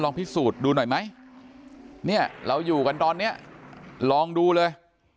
พิสูจน์ดูหน่อยไหมเนี่ยเราอยู่กันตอนนี้ลองดูเลย